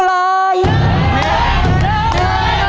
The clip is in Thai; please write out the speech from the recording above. ๑มือ